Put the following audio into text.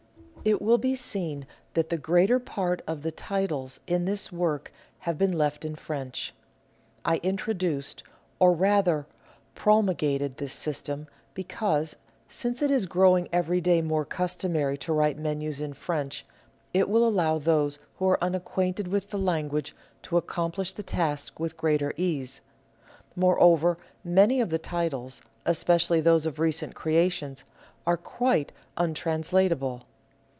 It will be seen that the greater part of the titles in this work have been left in French. I introduced, or rather promul gated this system, because, since it is growing every day more customary to write menus in French, it will allow those who are unacquainted with the language to accomplish the task with greater ease. Moreover, many of the titles — especially those of recent creations — are quite untranslatable.